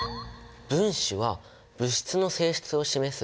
分子は物質の性質を示す